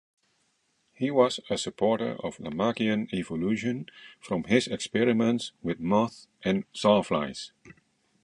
He was a supporter of Lamarckian evolution from his experiments with moths and sawflies.